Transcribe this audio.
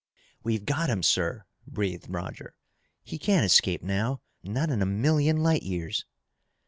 "We've got him, sir!" breathed Roger. "He can't escape now! Not in a million light years!"